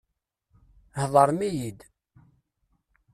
Heḍṛem-iyi-d!